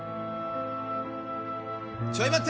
ちょい待て！